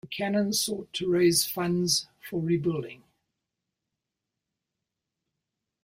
The canons sought to raise funds for rebuilding.